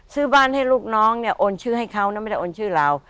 ซื้อบ้านให้ลูกน้องเนี่ยโอนชื่อให้เขานะไม่ได้โอนชื่อเรา